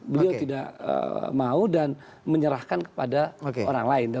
beliau tidak mau dan menyerahkan kepada orang lain